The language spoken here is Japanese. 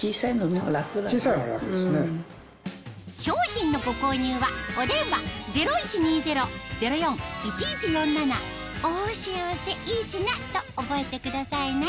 商品のご購入はお電話０１２０−０４−１１４７と覚えてくださいね